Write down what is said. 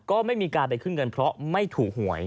ก็ไม่มีการไปขึ้นเงินเพราะไม่ถูกหวย